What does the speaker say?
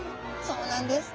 そうなんです。